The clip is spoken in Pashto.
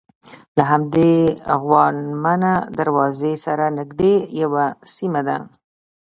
له همدې غوانمه دروازې سره نژدې یوه سیمه ده.